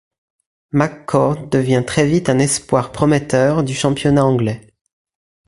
Mc Cord devient très vite un espoir prometteur du championnat anglais.